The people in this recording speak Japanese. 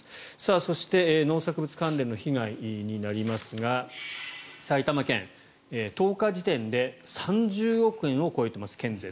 そして農作物関連の被害になりますが埼玉県、県全体で１０日時点で３０億円を超えています。